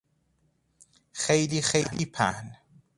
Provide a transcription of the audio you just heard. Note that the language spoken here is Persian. خیلی خیلی پهن